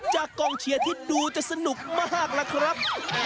กองเชียร์ที่ดูจะสนุกมากล่ะครับ